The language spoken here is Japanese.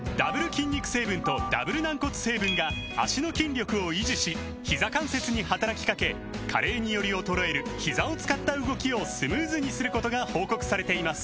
筋肉成分とダブル軟骨成分が脚の筋力を維持しひざ関節に働きかけ加齢により衰えるひざを使った動きをスムーズにすることが報告されています